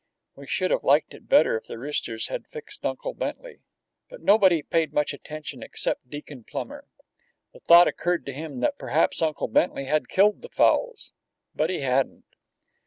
We should have liked it better if the roosters had fixed Uncle Bentley. But nobody paid much attention except Deacon Plummer. The thought occurred to him that perhaps Uncle Bentley had killed the fowls. But he hadn't.